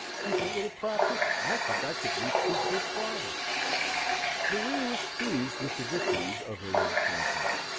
"With a little practice I think I could leap two foot farther." Maria was pleased with the victories of her young champion.